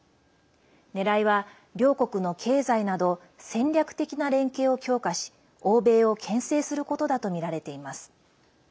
ねらいは、両国の経済など戦略的な連携を強化し欧米をけん制することだとみられています。